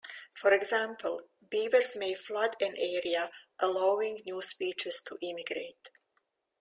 For example, beavers may flood an area, allowing new species to immigrate.